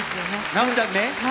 奈央ちゃんね